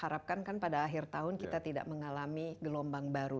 karena sekarang kan pada akhir tahun kita tidak mengalami gelombang baru